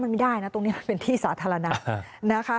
ที่นี้เป็นพื้นท่าระนัก